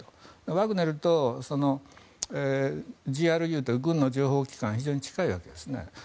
ワグネルとＧＲＵっていう軍の情報機関は非常に近いんですね。